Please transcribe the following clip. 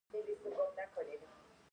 د افغانستان جلبي مشهوره ده